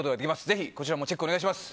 ぜひ、こちらもチェックお願いします。